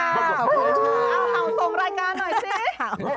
เอาเห่าส่งรายการหน่อยสิ